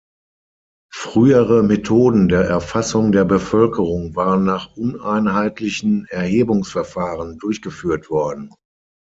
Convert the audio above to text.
Frühere Methoden der Erfassung der Bevölkerung waren nach uneinheitlichen Erhebungsverfahren durchgeführt worden.